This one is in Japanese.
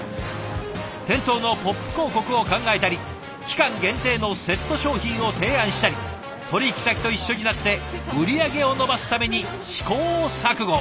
店頭のポップ広告を考えたり期間限定のセット商品を提案したり取引先と一緒になって売り上げを伸ばすために試行錯誤。